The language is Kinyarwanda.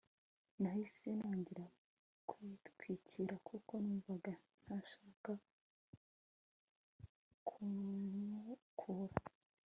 nahise nongera kwitwikira kuko numvaga ntashaka kumukura